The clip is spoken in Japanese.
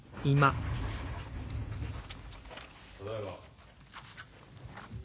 ただいま。